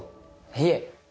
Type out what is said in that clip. いえ。